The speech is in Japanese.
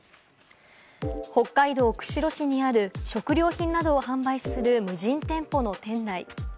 北海道釧路市にある食料品などを販売する無人店舗の店内。